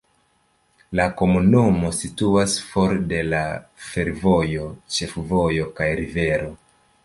La komunumo situas for de la fervojo, ĉefvojo kaj rivero.